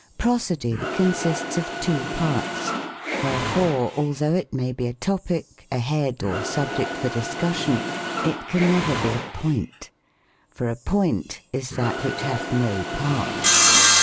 Prosody consists of two parts ; wherefore, although it may be a topic, a head, or subject for discussion, it can never be a point ; for a point is that which hath no parts.